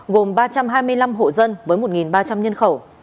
gồm ba trăm hai mươi năm hộ dân với một ba trăm linh nhân khẩu